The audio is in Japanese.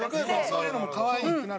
そういうのも可愛いってなるの？